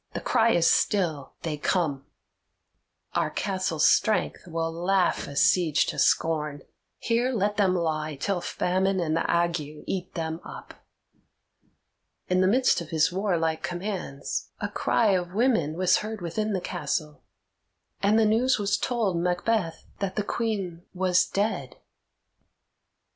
"The cry is still, 'They come.' Our castle's strength will laugh a siege to scorn; here let them lie till famine and the ague eat them up." In the midst of his warlike commands, a cry of women was heard within the castle, and the news was told Macbeth that the Queen was dead.